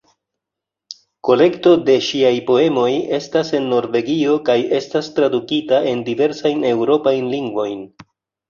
Kolekto de ŝiaj poemoj estas en Norvegio kaj estas tradukita en diversajn eŭropajn lingvojn.